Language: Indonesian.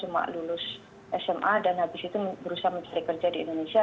cuma lulus sma dan habis itu berusaha mencari kerja di indonesia